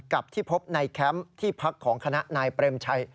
กับที่พบในแคมป์ที่พักของคณะนายเปรมชัย